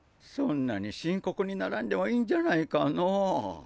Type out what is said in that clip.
そんなに深刻にならんでも良いんじゃないかのう？